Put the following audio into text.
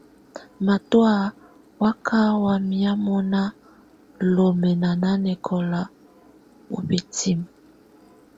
Matɔ̀á má kà wamɛ́à mɔ̀ná lɔmɛna nanɛkɔla ù bǝtinǝ́.